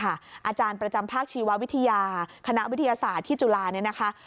อาจารย์ประจำภาคชีววิทยาคณะวิทยาศาสตร์ที่จุฬาเนี่ยนะคะ